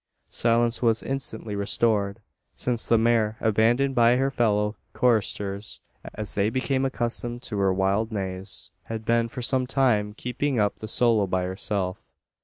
Silence was instantly restored; since the mare, abandoned by her fellow choristers, as they became accustomed to her wild neighs, had been, for some time, keeping up the solo by herself.